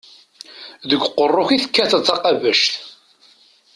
Deg uqerru-k i tekkateḍ taqabact.